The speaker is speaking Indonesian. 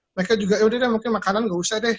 mereka juga yaudah deh mungkin makanan gak usah deh